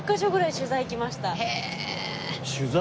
取材？